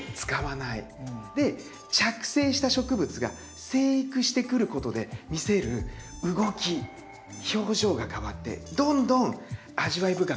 で着生した植物が生育してくることで見せる動き表情が変わってどんどん味わい深くなってくるんですよ。